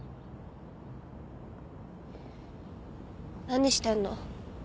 何してんの？